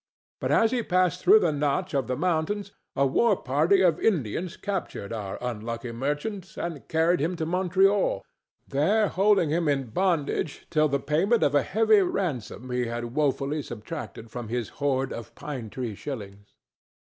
But as he passed through the Notch of the mountains a war party of Indians captured our unlucky merchant and carried him to Montreal, there holding him in bondage till by the payment of a heavy ransom he had woefully subtracted from his hoard of pine tree shillings.